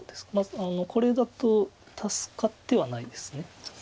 これだと助かってはないです。